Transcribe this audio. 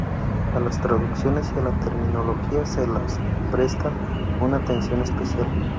A las traducciones y a la terminología se les presta una atención especial.